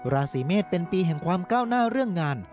ราศีเมษเป็นปีแห่งความก้าวหน้าเรื่องงาน